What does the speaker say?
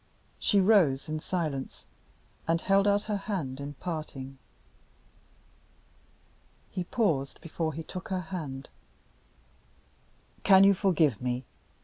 She rose in silence, and held out her hand at parting. He paused before he took her hand. "Can you forgive me?"